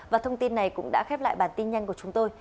và thông tin này cũng đã khép lại bản tin nhanh của chúng tôi